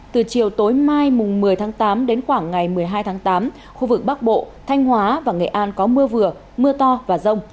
từ chiều tối mai một mươi tháng tám đến khoảng ngày một mươi hai tháng tám khu vực bắc bộ thanh hóa và nghệ an có mưa vừa mưa to và rông